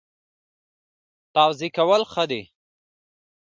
تواضع کول ښه دي